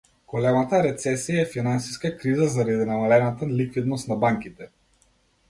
Големата рецесија е финансиска криза заради намалената ликвидност на банките.